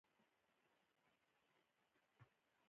شیطان د انسان لپاره یو خڼډ دی.